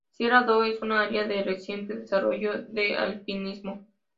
Sierra Adobe es un área de reciente desarrollo de alpinismo.